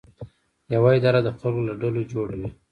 یوه اداره د خلکو له ډلو جوړه وي.